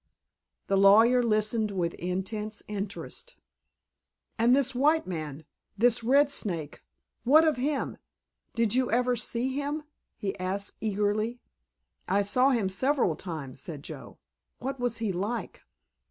The lawyer listened with intense interest. "And this white man—this 'Red Snake'—what of him? Did you ever see him?" he asked eagerly. "I saw him several times," said Joe. "What was he like?"